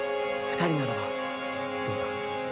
二人ならばどうだ？